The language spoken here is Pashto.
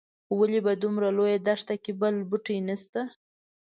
ولې په دومره لویه دښته کې بل بوټی نه شته.